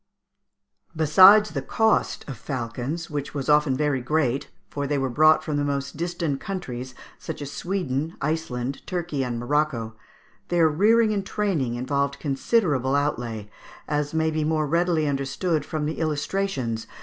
] Besides the cost of falcons, which was often very great (for they were brought from the most distant countries, such as Sweden, Iceland, Turkey, and Morocco), their rearing and training involved considerable outlay, as may be more readily understood from the illustrations (Figs.